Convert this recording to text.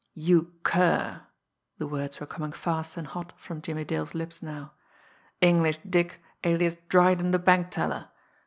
"You cur!" The words were coming fast and hot from Jimmie Dale's lips now. "English Dick, alias Dryden, the bank teller!